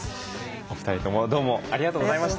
お二人ともどうもありがとうございました。